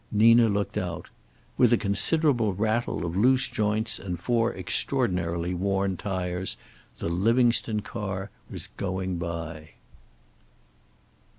Nina looked out. With a considerable rattle of loose joints and four extraordinarily worn tires the Livingstone car was going by.